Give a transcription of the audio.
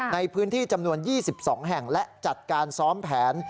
ในพื้นที่จำนวน๒๒แห่งและจัดการซ้อมแผน